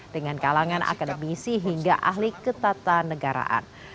dengan kalangan akademisi hingga ahli ketata negaraan